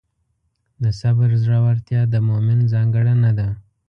د صبر زړورتیا د مؤمن ځانګړنه ده.